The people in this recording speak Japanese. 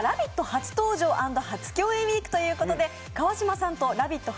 初登場＆初共演ウイークということで、川島さんと「ラヴィット！」